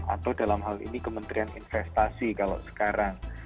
atau dalam hal ini kementerian investasi kalau sekarang